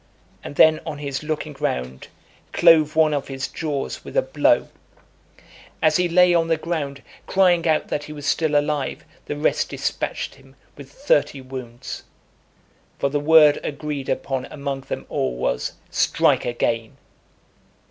and then, on his looking round, clove one of his jaws with a blow. As he lay on the ground, crying out that he was still alive , the rest dispatched him with thirty wounds. For the word agreed upon among them all was, "Strike again."